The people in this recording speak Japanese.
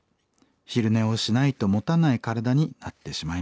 昼寝をしないともたない体になってしまいました。